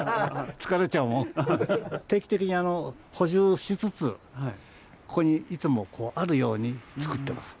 定期的に補充しつつここにいつもあるように作ってます。